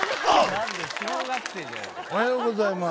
おはようございます。